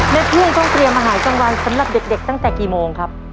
เพื่อนต้องเตรียมอาหารกลางวันสำหรับเด็กตั้งแต่กี่โมงครับ